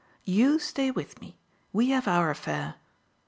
YOU stay with me we have our affair."